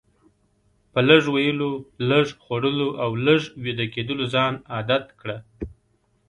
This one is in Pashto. په لږ ویلو، لږ خوړلو او لږ ویده کیدلو ځان عادت کړه.